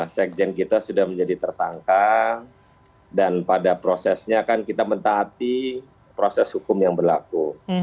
sekjen kita sudah menjadi tersangka dan pada prosesnya kan kita mentaati proses hukum yang berlaku